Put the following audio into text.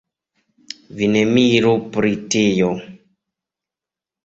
Vi ne miru pri tio.